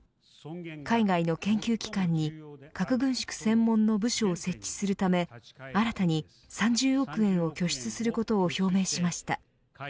海外の研究機関に核軍縮専門の部署を設置するため新たに３０億円を拠出することを表明しました。